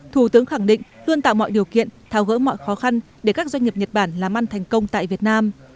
thủ tướng khẳng định luôn tạo mọi điều kiện thao gỡ mọi khó khăn để các doanh nghiệp nhật bản làm ăn thành công tại việt nam